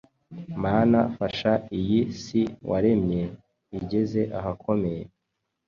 Mana fasha iyi si waremye, igeze ahakomeye